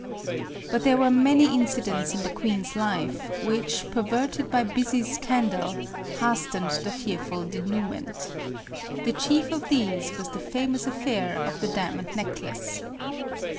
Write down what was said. But there were 20 458 MARIE ANTOINETTE. many incidents in the queen's life which, perverted by busy scandal, hastened the fearful denouement. The chief of these was the famous affair of the diamond necklace.